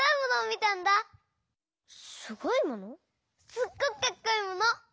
すっごくかっこいいもの！